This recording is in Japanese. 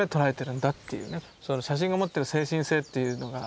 その写真が持ってる精神性っていうのが。